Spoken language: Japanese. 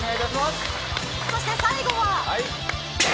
そして、最後は。